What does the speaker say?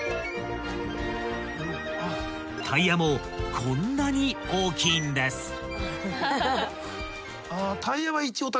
［タイヤもこんなに大きいんです］